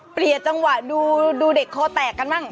เปลี่ยนจังหวัดดูเด็กคอแตกกันบ้าง